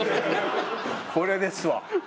これですわ。